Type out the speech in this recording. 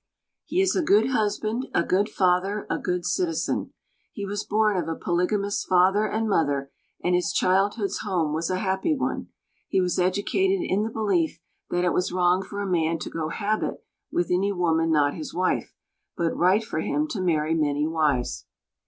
He is a good husband, a good father, a good citizen. He was born of a polygamous father and mother, and his childhood's home was a happy one. He was educated in the belief that it was wrong for a man to cohabit with any woman not his wife, but right for him to marry many wives.